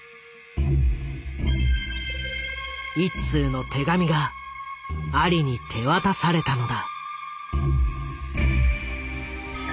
一通の手紙がアリに手渡されたのだ。